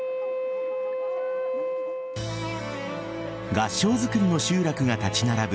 合掌造りの集落が立ち並ぶ